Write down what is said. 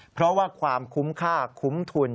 เพราะว่าความคุ้มค่าคุ้มทุน